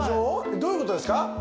どういうことですか？